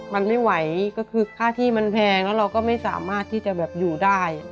มันไม่ไหวก็คือค่าที่มันแพงแล้วเราก็ไม่สามารถที่จะแบบอยู่ได้